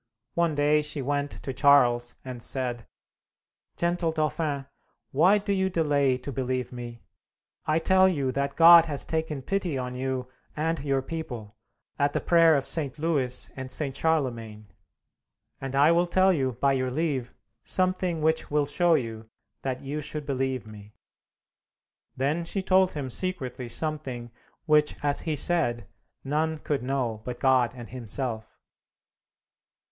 One day she went to Charles and said, "Gentle Dauphin, why do you delay to believe me? I tell you that God has taken pity on you and your people, at the prayer of St. Louis and St. Charlemagne. And I will tell you by your leave, something which will show you that you should believe me." Then she told him secretly something which, as he said, none could know but God and himself.